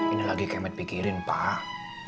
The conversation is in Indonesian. ini lagi kemit pikirin pak